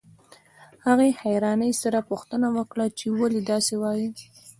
هغې حيرانۍ سره پوښتنه وکړه چې ولې داسې وايئ.